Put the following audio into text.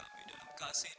sakit apaan sih sir